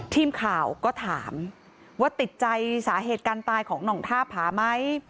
ทีมข่าวก็ถามว่าติดใจสาเหตุการตายของหน่องท่าผาไหม